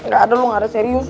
gak ada lo gak ada serius